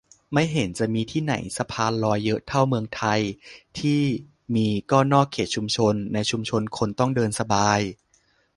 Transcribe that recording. ไม่เห็นจะมีที่ไหนสะพานลอยเยอะเท่าเมืองไทย ที่มีก็นอกเขตชุมชน ในชุมชนคนต้องเดินสบาย